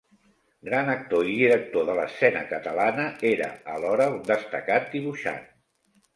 Gran actor i director de l'escena catalana, era alhora un destacat dibuixant.